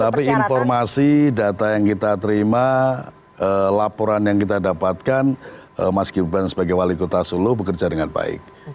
tapi informasi data yang kita terima laporan yang kita dapatkan mas gibran sebagai wali kota solo bekerja dengan baik